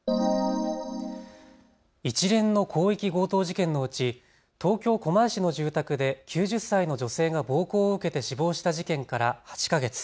一連の広域強盗事件のうち東京狛江市の住宅で９０歳の女性が暴行を受けて死亡した事件から８か月。